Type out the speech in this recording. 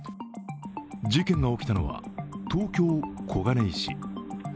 事件が起きたのは、東京・小金井市。